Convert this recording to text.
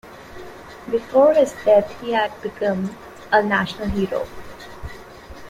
Before his death he had become a national hero.